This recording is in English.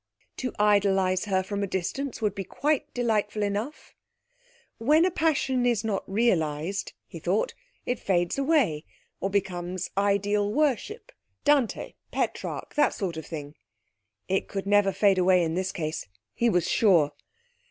To idolise her from a distance would be quite delightful enough. When a passion is not realised, he thought, it fades away, or becomes ideal worship Dante Petrarch that sort of thing! It could never fade away in this case, he was sure.